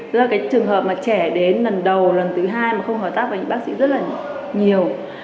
tức là cái trường hợp mà trẻ đến lần đầu lần thứ hai mà không hợp tác với những bác sĩ rất là nhiều